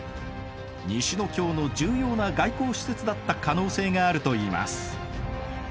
西の京の重要な外交施設だった可能性があるといいます。